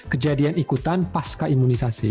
kejadian ikutan pasca imunisasi